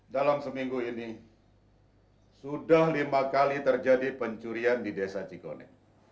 dalam seminggu ini sudah lima kali terjadi pencurian di desa cikone